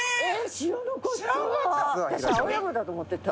私青山だと思ってた。